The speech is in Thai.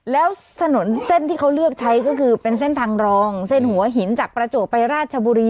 แล้วถนนเส้นที่เขาเลือกใช้ก็คือเป็นเส้นทางรองเส้นหัวหินจากประจวบไปราชบุรี